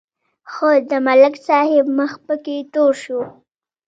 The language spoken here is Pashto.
خو د ملک صاحب مخ پکې تور شو.